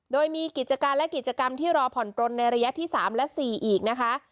โดยมีกิจการและกิจกรรมที่รอผ่อนปลนในระยะที่๓และ๔อีกนะคะ